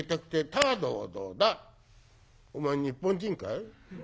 「お前日本人かい？